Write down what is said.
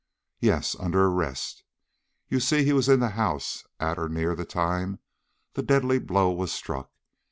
"Yes, under arrest. You see he was in the house at or near the time the deadly blow was struck.